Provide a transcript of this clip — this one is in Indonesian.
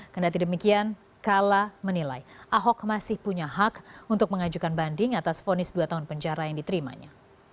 kendati demikian kala menilai ahok masih punya hak untuk mengajukan banding atas fonis dua tahun penjara yang diterimanya